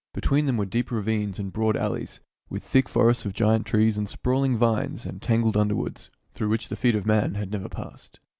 Between them were deep ravines and broad valleys, with thick forests of giant trees and sprawling vines and tangled un derwoods, through which the feet of man had never passed.